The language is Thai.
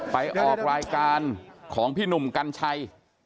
ไปออกรายการของพี่หนุ่มกัญชัย